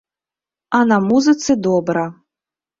А на музыцы добра.